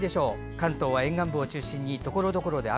関東は沿岸部を中心にところどころで雨。